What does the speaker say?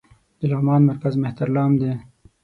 د لغمان مرکز مهترلام دى